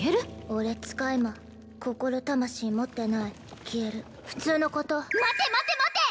俺使い魔心魂持ってない消える普通のこと待て待て待て！